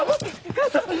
母さん。